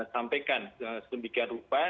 sampaikan sedemikian rupa